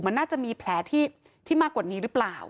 มันน่าจะมีแผลที่มากกว่านี้หรือเปล่า